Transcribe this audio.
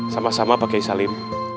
sama sama pakai salim